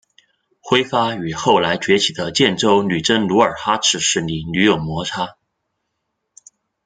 辉发与后来崛起的建州女真努尔哈赤势力屡有摩擦。